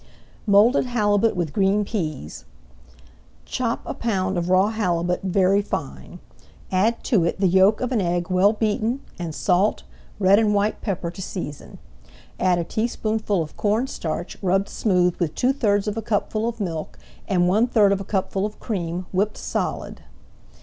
MOULDED HALIBUT WITH GREEN PEAS Chop a pound of raw halibut very fine. Add to it the yolk of an egg well beaten, and salt, red and white pepper to season. Add a teaspoonful of corn starch rubbed smooth with two thirds of a cupful of milk and one third of a cupful of cream, whipped solid.